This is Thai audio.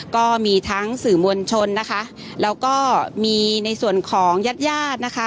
ก็มีทั้งสื่อมวลชนนะคะแล้วก็มีในส่วนของญาติญาตินะคะ